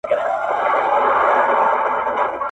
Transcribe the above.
زوی یې زور کاوه پر لور د تورو غرونو-